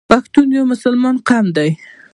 پښتون یو مسلمان قوم دی.